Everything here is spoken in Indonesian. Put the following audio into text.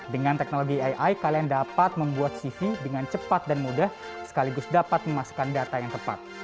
dengan teknologi ai kalian dapat membuat cv dengan cepat dan mudah sekaligus dapat memasukkan data yang tepat